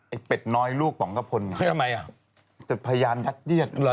ไอ้เป็ดน้อยลูกป๋องกะพลเนี่ยแต่พยานรักเดียนทำไมอ่ะ